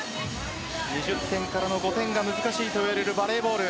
２０点からの５点が難しいといわれるバレーボール。